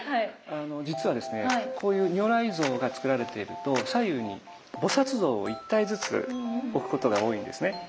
実はですねこういう如来像がつくられていると左右に菩像を１体ずつ置くことが多いんですね。